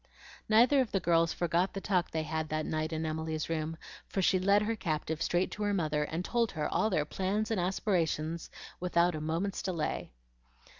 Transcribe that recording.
Neither of the girls forgot the talk they had that night in Emily's room, for she led her captive straight to her mother, and told her all their plans and aspirations without a moment's delay.